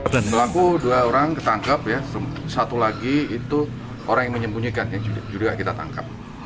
pelaku dua orang ditangkap ya satu lagi itu orang yang menyembunyikan judika kita tangkap